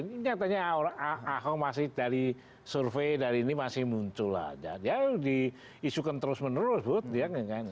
ini nyatanya ahok masih dari survei dari ini masih muncul aja dia diisukan terus menerus bud ya kan